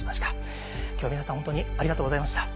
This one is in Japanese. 今日は皆さん本当にありがとうございました。